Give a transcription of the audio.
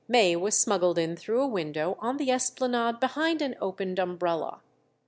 May was smuggled in through a window on the esplanade behind an opened umbrella.